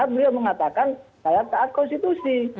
beliau mengatakan saya taat konstitusi